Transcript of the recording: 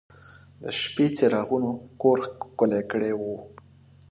د شپې څراغونو کور ښکلی کړی و.